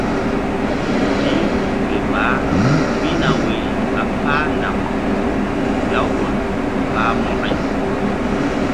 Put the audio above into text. Ziih ke baah pihna woyri ɓa páh naŋ lawɓol pah mokȩ.